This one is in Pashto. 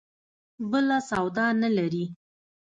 بله سودا نه لري.